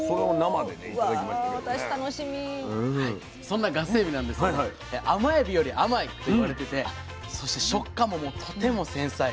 そんなガスエビなんですけど甘エビより甘いといわれててそして食感もとても繊細。